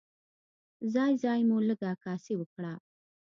ځای ځای مو لږه عکاسي وکړه.